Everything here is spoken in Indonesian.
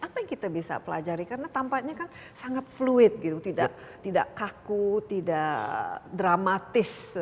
apa yang kita bisa pelajari karena tampaknya kan sangat fluid gitu tidak kaku tidak dramatis